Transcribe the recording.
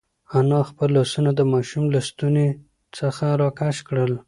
انا خپل لاسونه د ماشوم له ستوني څخه راکش کړل.